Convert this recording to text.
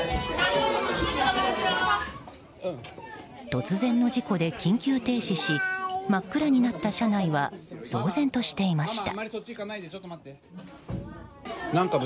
突然の事故で緊急停止し真っ暗になった車内は騒然としていました。